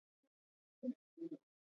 نمک د افغانستان د کلتوري میراث برخه ده.